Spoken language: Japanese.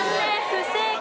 不正解。